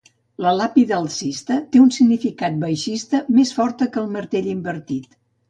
La làpida alcista té una significació baixista més forta que el Martell invertit.